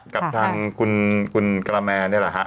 กับทางคุณกระแมนนี่แหละฮะ